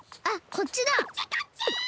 こっちこっち！